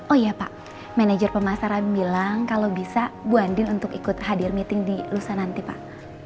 oh iya pak manager pemasaran bilang kalau bisa bu andin untuk ikut hadir meeting di lusa nanti pak